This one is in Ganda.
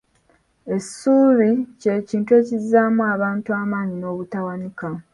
Essuubi kye kizzaamu abantu amaanyi obutawanika.